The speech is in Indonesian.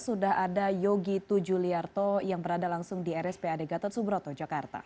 sudah ada yogi tujuliarto yang berada langsung di rspad gatot subroto jakarta